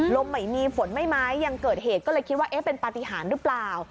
ไม่มีฝนไม่ไม้ยังเกิดเหตุก็เลยคิดว่าเอ๊ะเป็นปฏิหารหรือเปล่า